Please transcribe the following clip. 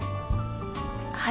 はい。